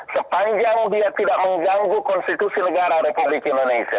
sepanjang dia tidak mengganggu konstitusi negara republik indonesia